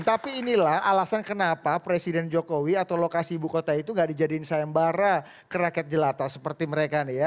tapi inilah alasan kenapa presiden jokowi atau lokasi ibu kota itu gak dijadiin sayembara ke rakyat jelata seperti mereka nih ya